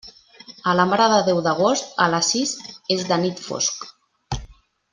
A la Mare de Déu d'Agost, a les sis és de nit fosc.